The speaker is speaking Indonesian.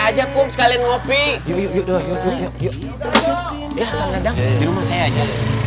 aja kum sekalian ngopi yuk yuk yuk yuk yuk yuk yuk ya kak radam di rumah saya aja